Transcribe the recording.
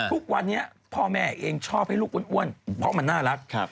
ทุกวันนี้พ่อแม่เองชอบให้ลูกอ้วนเพราะมันน่ารัก